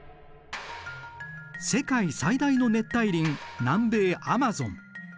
世界最大の熱帯林南米アマゾン。